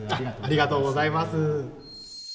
ありがとうございます。